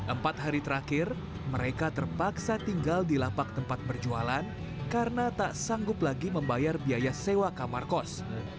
empat hari terakhir mereka terpaksa tinggal di lapak tempat berjualan karena tak sanggup lagi membayar biaya sewa kamar kos